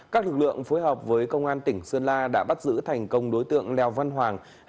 các lực lượng phối hợp với công an tỉnh sơn la đã bắt giữ thành công đối tượng leo văn hoàng